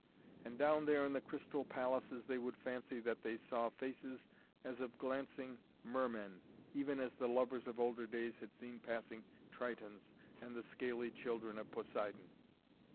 And down there in the crystal palaces they would fancy that they saw faces as of glancing mermen, even as the lovers of older days had seen passing Tritons and the scaly children of Poseidon.